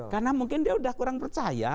karena mungkin dia sudah kurang percaya